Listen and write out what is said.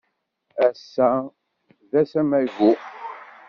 Ass-a d ass amagu.